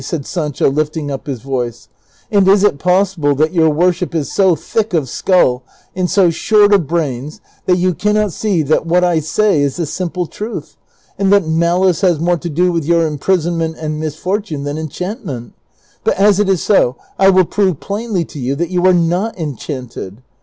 " said Saiiclio, lifting up his voice ;" and is it possible that yonr worshi}) is so thick of skull and so short of brains that you cannot see that what I say is the simple truth, and that malice has more to do with your im prisonment and misfortune than enchantment ? But as it i's so, T will prove plainly to you that you are not enchanted.